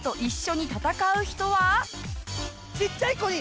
ちっちゃい子に！